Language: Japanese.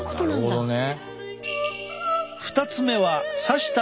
なるほどね。